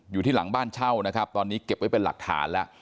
อยู่ที่หลังบ้านเช่านะครับตอนนี้เก็บไว้เป็นหลักฐานแล้ว